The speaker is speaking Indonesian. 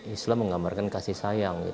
islam menggambarkan kasih sayang